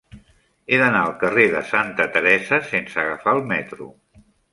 He d'anar al carrer de Santa Teresa sense agafar el metro.